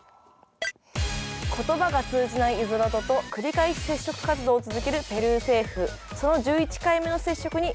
言葉が通じないイゾラドと繰り返し接触活動を続けるペルー政府。